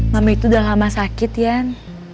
mami itu udah lama sakit yan